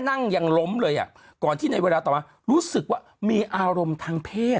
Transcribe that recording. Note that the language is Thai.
ยังล้มเลยอ่ะก่อนที่ในเวลาต่อมารู้สึกว่ามีอารมณ์ทางเพศ